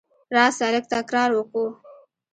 راسه! لږ تکرار وکو.